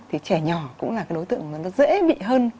thì trẻ nhỏ cũng là đối tượng dễ bị hơn